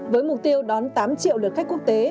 với mục tiêu đón tám triệu lượt khách quốc tế